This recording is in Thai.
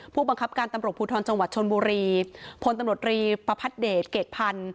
ผู้บังคับการตำลบภูทรจังหวัดชนบุรีพลตำลดรีปภัทเดตเกกพันธุ์